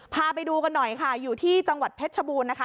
พาไปดูกันหน่อยค่ะอยู่ที่จังหวัดเพชรชบูรณ์นะคะ